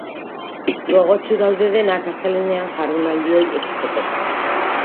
Gogotsu daude denak astelehenean jardunaldiei ekiteko.